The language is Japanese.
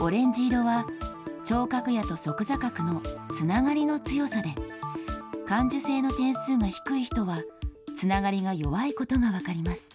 オレンジ色は、聴覚野と側坐核のつながりの強さで、感受性の点数が低い人は、つながりが弱いことが分かります。